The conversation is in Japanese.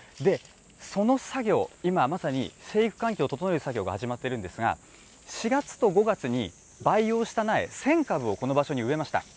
その作業、今、まさに生育環境を整える作業が始まっているんですが、４月と５月に培養した苗１０００株をこの場所に植えました。